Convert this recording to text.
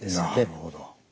なるほど。